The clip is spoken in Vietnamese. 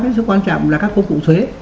rất quan trọng là các công cụ thuế